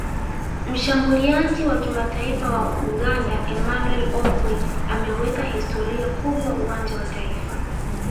Mshambuliaji wa kimataifa wa Uganda Emmanuel Okwi ameweka historia kubwa uwanja wa taifa